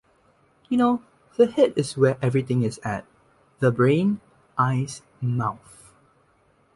You know, the head is where everything is at, the brain, eyes, mouth.